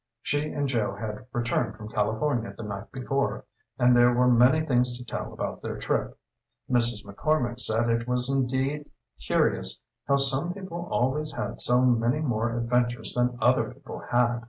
She and Joe had returned from California the night before, and there were many things to tell about their trip. Mrs. McCormick said it was indeed curious how some people always had so many more adventures than other people had.